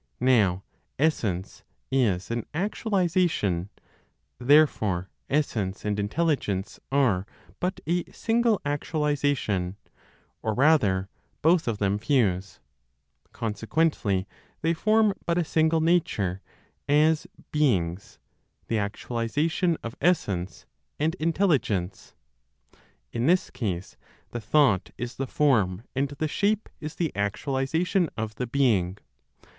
Now essence is an actualization; therefore essence and intelligence are but a single actualization, or rather both of them fuse. Consequently, they form but a single nature, as beings, the actualization of essence, and intelligence. In this case the thought is the form, and the shape is the actualization of the being.